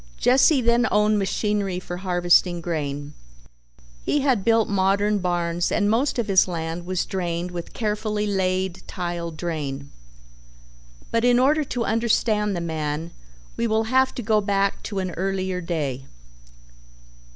Jesse then owned machinery for harvesting grain. He had built modern barns and most of his land was drained with carefully laid tile drain, but in order to understand the man we will have to go back to an earlier day.